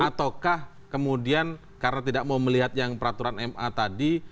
ataukah kemudian karena tidak mau melihat yang peraturan ma tadi